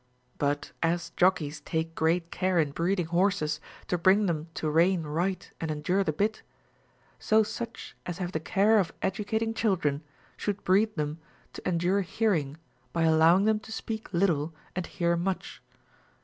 But as jockeys take great care in breeding horses to bring them to rein right and endure the bit, so such as have the care of educating children should breed them to endure hearing, by allowing them to speak little and hear much.